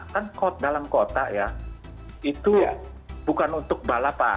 kan dalam kota ya itu bukan untuk balap pak